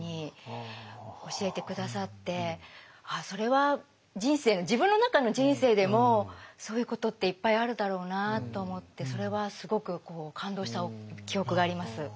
それは人生自分の中の人生でもそういうことっていっぱいあるだろうなあと思ってそれはすごく感動した記憶があります。